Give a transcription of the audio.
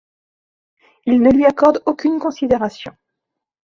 Il ne lui accorde aucune considération.